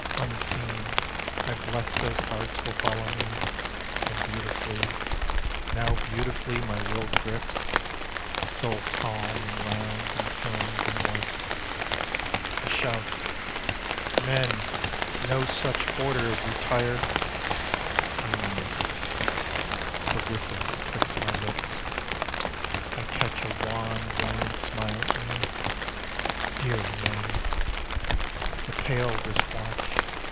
Unseen I bless Those hearts will follow me. And beautifully, Now beautifully my will grips. Soul calm and round and filmed and white! A shout: "Men, no such order as retire" I nod. The whistle's 'twixt my lips.... I catch A wan, worn smile at me. Dear men! The pale wrist watch....